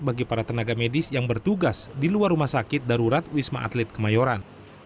bagi para tenaga medis yang bertugas di luar rumah sakit darurat wisma atlet kemayoran